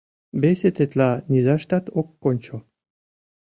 Весе тетла низаштат ок кончо.